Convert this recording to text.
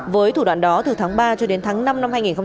với thủ đoạn đó từ tháng ba cho đến tháng năm năm hai nghìn một mươi tám